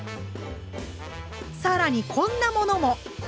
さらにこんなものも！